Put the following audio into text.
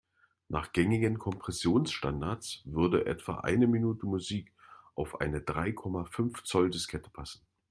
Nach gängigen Kompressionsstandards würde etwa eine Minute Musik auf eine drei Komma fünf Zoll-Diskette passen.